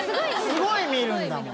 すごい見るんだもん。